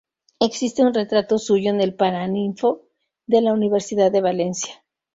Existe un retrato suyo en el Paraninfo de la Universidad de Valencia.